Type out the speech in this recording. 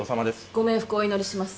ご冥福をお祈りします。